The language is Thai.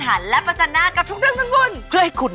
ไอ้อฤทธิสดาเคียงธรรมภาค่ะ